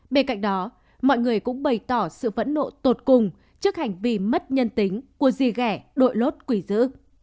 bên cạnh đó mọi người cũng bày tỏ sự phẫn nộ tột cùng trước hành vi mất nhân tính của rì ghẻ đội lốt quỷ dữ